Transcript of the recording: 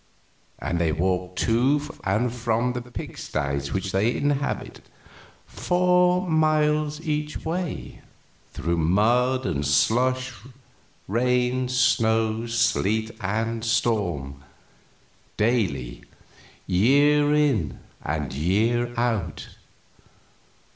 And they walk to and from the pigsties which they inhabit four miles each way, through mud and slush, rain, snow, sleet, and storm, daily, year in and year out.